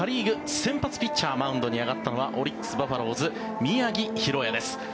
先発ピッチャーマウンドに上がったのはオリックス・バファローズ宮城大弥です。